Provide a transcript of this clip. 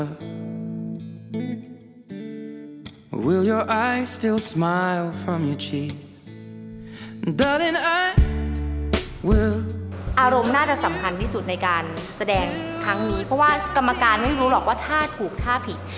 เพราะกรรมการเข้าใจว่าต่อถูกต่อผิด